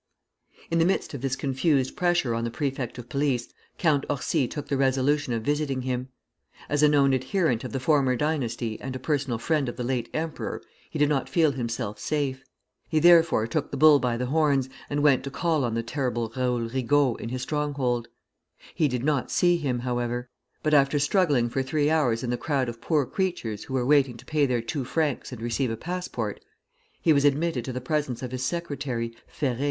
In the midst of this confused pressure on the prefect of police, Count Orsi took the resolution of visiting him. As a known adherent of the former dynasty and a personal friend of the late emperor, he did not feel himself safe. He therefore took the bull by the horns, and went to call on the terrible Raoul Rigault in his stronghold. He did not see him, however; but after struggling for three hours in the crowd of poor creatures who were waiting to pay their two francs and receive a passport, he was admitted to the presence of his secretary, Ferré.